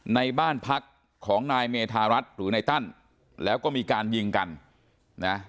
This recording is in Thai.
ในบ้านพักของนายเมธารัฐหรือนายตั้นแล้วก็มีการยิงกันนะ